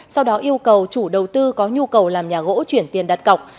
sau đó yêu cầu chủ đầu tư có nhu cầu làm nhà gỗ chuyển tiền đặt cọc